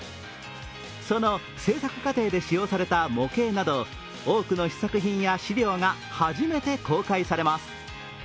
その制作過程で使用された模型など多くの試作品や資料などが初めて公開されます。